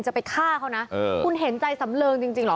จะไปฆ่าเขานะคุณเห็นใจสำเริงจริงเหรอ